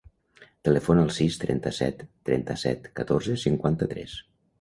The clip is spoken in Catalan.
Telefona al sis, trenta-set, trenta-set, catorze, cinquanta-tres.